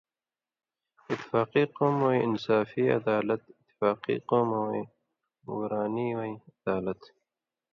اِتفاقی قومہ وَیں اِنصافی عدالت، اِتفاقی قومہ وَیں ورانی وَیں عدالت